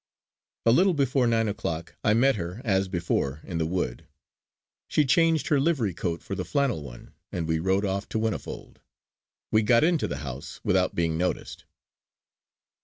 A little before nine o'clock I met her as before in the wood. She changed her livery coat for the flannel one, and we rode off to Whinnyfold. We got into the house without being noticed.